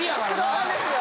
そうなんですよ。